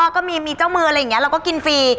ก็มีเจ้ามืออะไรอย่างนี้เราก็กินฟรี